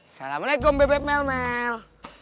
assalamu'alaikum bebek melmel